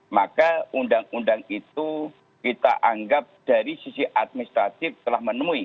maka undang undang itu kita anggap dari sisi administratif telah menemui